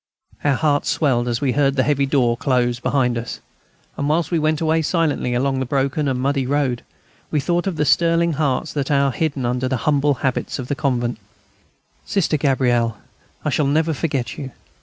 Our hearts swelled as we heard the heavy door close behind us. And whilst we went away silently along the broken, muddy road, we thought of the sterling hearts that are hidden under the humble habits of a convent. Sister Gabrielle! I shall never forget you.